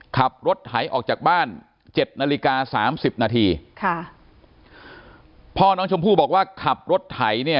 ขับรถไถออกจากบ้าน๗นาฬิกา๓๐นาทีพ่อน้องชมพู่บอกว่าขับรถไถเนี่ย